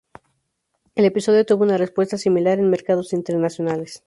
El episodio tuvo una respuesta similar en mercados internacionales.